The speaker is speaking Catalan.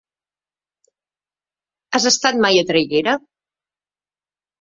Has estat mai a Traiguera?